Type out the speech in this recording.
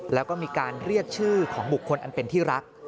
แล้วก็มีการเรียกชื่อของบุคคลอันเป็นที่รัก